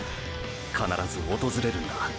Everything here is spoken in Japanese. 必ず訪れるんだ。